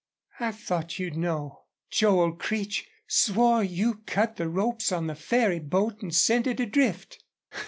"I thought you'd know.... Joel Creech swore you cut the ropes on the ferry boat and sent it adrift."